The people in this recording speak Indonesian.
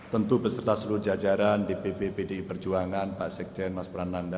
tentu beserta seluruh jajaran dpp pdi perjuangan pak sekjen mas prananda